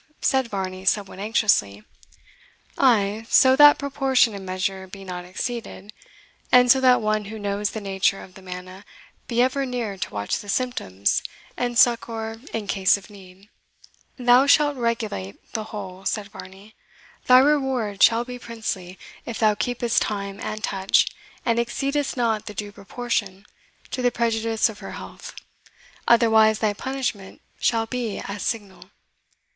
said Varney, somewhat anxiously. "Ay, so that proportion and measure be not exceeded; and so that one who knows the nature of the manna be ever near to watch the symptoms, and succour in case of need." "Thou shalt regulate the whole," said Varney. "Thy reward shall be princely, if thou keepest time and touch, and exceedest not the due proportion, to the prejudice of her health; otherwise thy punishment shall be as signal."